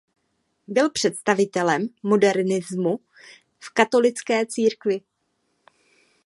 Byl představitelem modernismu v katolické církvi.